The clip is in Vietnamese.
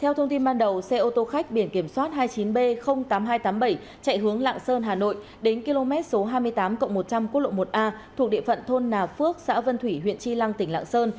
theo thông tin ban đầu xe ô tô khách biển kiểm soát hai mươi chín b tám nghìn hai trăm tám mươi bảy chạy hướng lạng sơn hà nội đến km số hai mươi tám cộng một trăm linh quốc lộ một a thuộc địa phận thôn nà phước xã vân thủy huyện tri lăng tỉnh lạng sơn